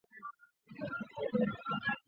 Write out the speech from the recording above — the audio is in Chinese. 属于第五收费区。